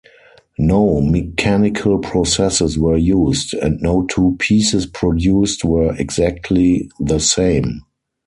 No mechanical processes were used, and no two pieces produced were exactly the same.